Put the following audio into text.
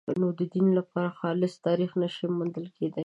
نو د دین لپاره خالص تاریخ نه شي موندل کېدای.